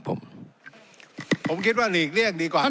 ผมคิดว่าหนีอีกเรียกดีกว่าครับ